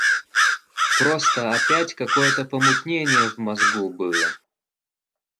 Просто опять какое-то помутнение в мозгу было.